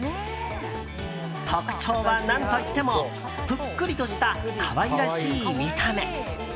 特徴は何といってもぷっくりとした可愛らしい見た目。